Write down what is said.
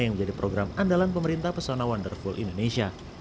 yang menjadi program andalan pemerintah pesona wonderful indonesia